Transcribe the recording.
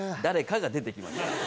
誰かが出てきました。